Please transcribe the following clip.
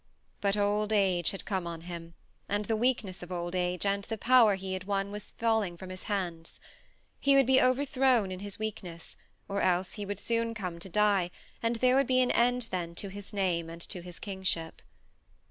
But old age had come on him, and the weakness of old age, and the power he had won was falling from his hands. He would be overthrown in his weakness, or else he would soon come to die, and there would be an end then to his name and to his kingship.